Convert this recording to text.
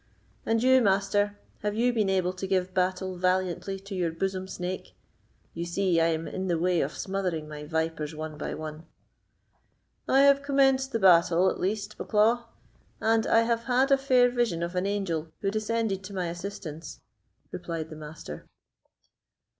And you, master, have you been able to give battle valiantly to your bosom snake? You see I am in the way of smothering my vipers one by one." "I have commenced the battle, at least, Bucklaw, and I have had a fair vision of an angel who descended to my assistance," replied the Master.